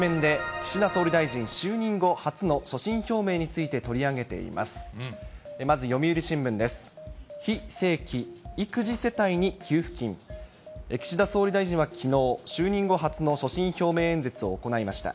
岸田総理大臣はきのう、就任後初の所信表明演説を行いました。